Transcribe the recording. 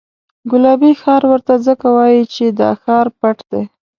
ګلابي ښار ورته ځکه وایي چې دا ښار پټ دی.